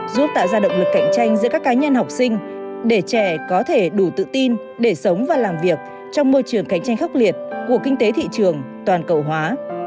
giúp tạo ra động lực cạnh tranh giữa các cá nhân học sinh để trẻ có thể đủ tự tin để sống và làm việc trong môi trường cạnh tranh khốc liệt của kinh tế thị trường toàn cầu hóa